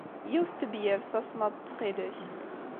Yiwet n tebyirt tasemmaḍt, ttxil-k!